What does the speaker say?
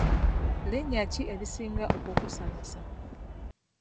Linnya ki erisinga okukusanyusa?